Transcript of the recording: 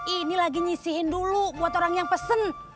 ini lagi nyisiin dulu buat orang yang pesen